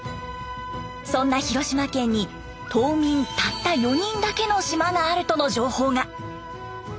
そんな広島県に島民たった４人だけの島があるとの情報が。